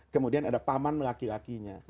kemudian ada paman laki lakinya